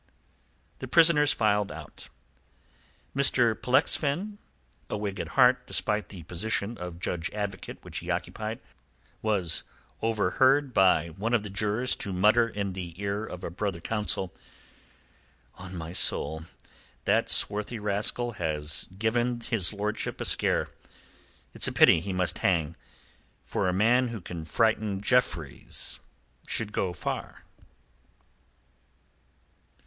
The prisoners filed out. Mr. Pollexfen a Whig at heart despite the position of Judge Advocate which he occupied was overheard by one of the jurors to mutter in the ear of a brother counsel: "On my soul, that swarthy rascal has given his lordship a scare. It's a pity he must hang. For a man who can frighten Jeffreys should go far."